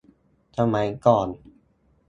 สมัยก่อน